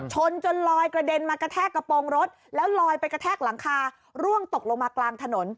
ชนจนลอยกระเด็นมากระแทกกระโปรงรถแล้วลอยไปกระแทกหลังคาร่วงตกลงมากลางถนน